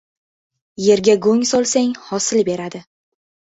• Yerga go‘ng solsang, hosil beradi.